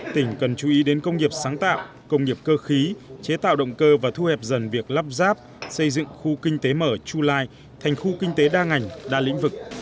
tỉnh cần chú ý đến công nghiệp sáng tạo công nghiệp cơ khí chế tạo động cơ và thu hẹp dần việc lắp ráp xây dựng khu kinh tế mở chu lai thành khu kinh tế đa ngành đa lĩnh vực